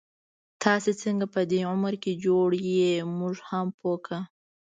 تاسو څنګه په دی عمر کي جوړ يې، مونږ هم پوه کړه